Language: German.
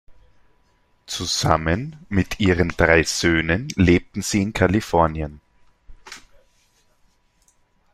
Zusammen mit ihren drei Söhnen lebten sie in Kalifornien.